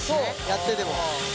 やってても。